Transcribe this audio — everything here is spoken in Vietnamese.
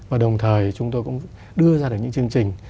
và đồng thời chúng tôi cũng đưa ra được những chương trình